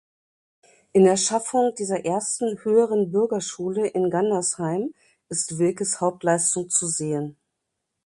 In der Schaffung dieser ersten "Höheren Bürgerschule" in Gandersheim ist Wilkes Hauptleistung zu sehen.